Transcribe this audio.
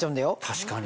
確かに。